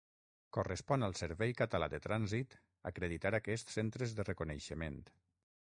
Correspon al Servei Català de Trànsit acreditar aquests centres de reconeixement.